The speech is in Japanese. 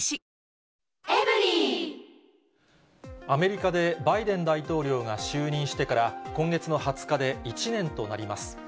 アメリカでバイデン大統領が就任してから、今月の２０日で１年となります。